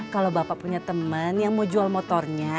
kalau bapak punya teman yang mau jual motornya